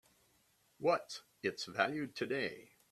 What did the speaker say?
What's its value today?